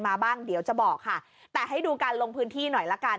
มาบ้างเดี๋ยวจะบอกค่ะแต่ให้ดูการลงพื้นที่หน่อยละกัน